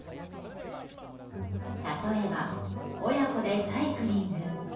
例えば、親子でサイクリング。